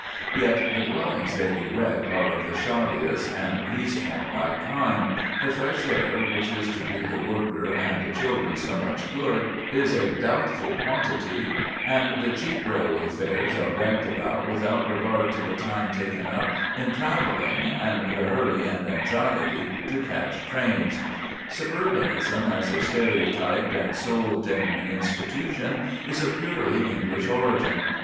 Yet the dwellings they erect are of the shoddiest and least homelike kind, the fresh air which is to do the worker and the children so much good is a doubtful quantity, and the cheap railway fares are bragged about without regard to the time taken up in travelling and the hurry and anxiety to catch trains. Suburbanism as a stereotyped and soul deadening institution is of purely English origin.